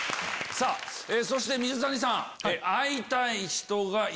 そして水谷さん。